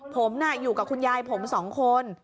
ผมน่ะอยู่กับคุณยายผม๒คน